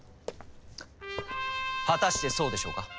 果たしてそうでしょうか？